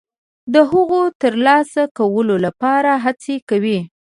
د هغو د ترلاسه کولو لپاره هڅه کوي.